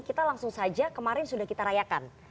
kita langsung saja kemarin sudah kita rayakan